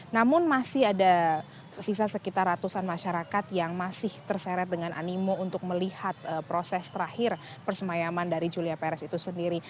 namun masih ada sisa sekitar ratusan masyarakat yang masih terseret dengan animo untuk melihat proses terakhir persemayaman dari julia perez itu sendiri